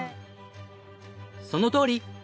そのとおり！